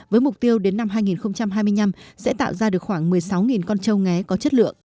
với mục tiêu đến năm hai nghìn hai mươi năm sẽ tạo ra được khoảng một mươi sáu con trâu nghé có chất lượng